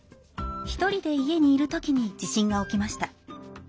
一人で家にいる時に地震が起きました。